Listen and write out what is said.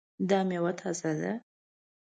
دا میوه تازه ده؟